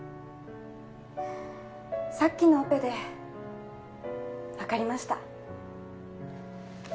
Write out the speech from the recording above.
さっきのオペで分かりました